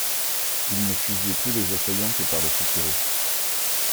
Ils ne fusillaient plus les assaillants que par les soupiraux.